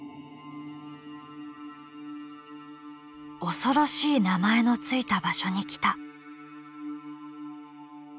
恐ろしい名前の付いた場所に来た。